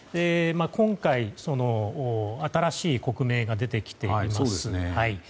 今回、新しい国名が出てきています。